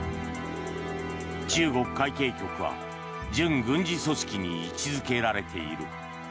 中国海警局は、準軍事組織に位置付けられている。